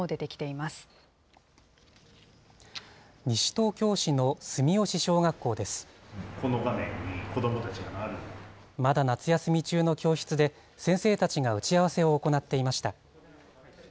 まだ夏休み中の教室で、先生たちが打ち合わせを行っていました。